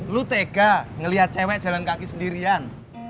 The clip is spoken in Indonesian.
lu tega ngelihat cewek jalan kaki sendirian